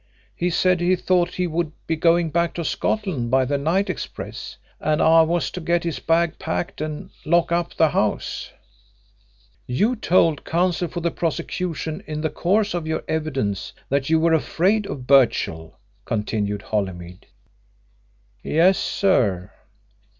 He said he thought he would be going back to Scotland by the night express, and I was to get his bag packed and lock up the house." "You told Counsel for the prosecution in the course of your evidence that you were afraid of Birchill," continued Holymead. "Yes, sir."